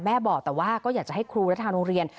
บอกแต่ว่าก็อยากจะให้ครูและทางโรงเรียน